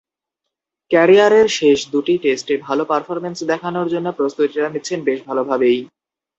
ক্যারিয়ারের শেষ দুটি টেস্টে ভালো পারফরম্যান্স দেখানোর জন্য প্রস্তুতিটা নিচ্ছেন বেশ ভালোভাবেই।